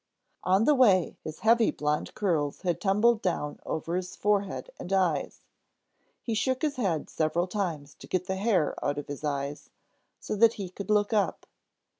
On the way his heavy blond curls had tumbled down over his forehead and eyes. He shook his head several times to get the hair out of his eyes, so that he could look up.